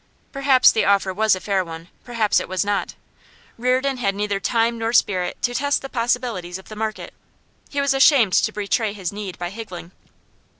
Perhaps the offer was a fair one; perhaps it was not. Reardon had neither time nor spirit to test the possibilities of the market; he was ashamed to betray his need by higgling.